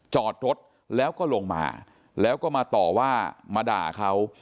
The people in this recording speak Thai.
จอดรถแล้วก็ลงมาแล้วก็มาต่อว่ามาด่าเขา